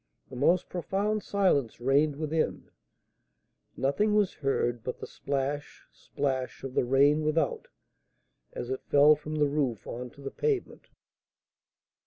The most profound silence reigned within; nothing was heard but the splash, splash of the rain without, as it fell from the roof on to the pavement.